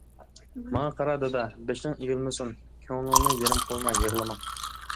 ماڭا قارا دادا، بېشىڭ ئېگىلمىسۇن، كۆڭلۈڭنى يېرىم قىلما، يىغلىما.